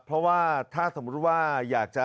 เพราะว่าถ้าสมมุติว่าอยากจะ